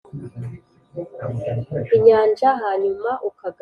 inyanja, hanyuma ukagaruka?